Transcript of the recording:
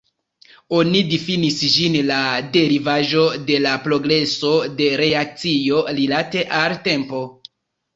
Oni difinis ĝin la derivaĵo de la progreso de reakcio rilate al tempo.